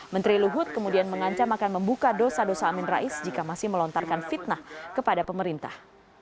menteri luhut kemudian mengancam akan membuka dosa dosa amin rais jika masih melontarkan fitnah kepada pemerintah